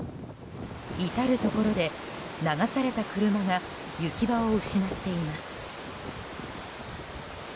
至るところで流された車が行き場を失っています。